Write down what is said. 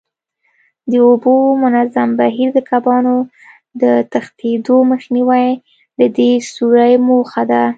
د اوبو منظم بهیر، د کبانو د تښتېدو مخنیوی د دې سوري موخه ده.